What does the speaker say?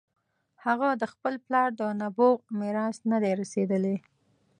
هغه د خپل پلار د نبوغ میراث نه دی رسېدلی.